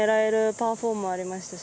パー４もありましたし